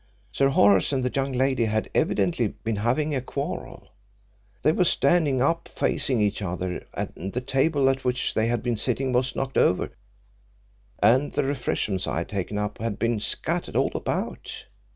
Sir Horace and the young lady had evidently been having a quarrel. They were standing up facing each other, and the table at which they had been sitting was knocked over, and the refreshments I had taken up had been scattered all about.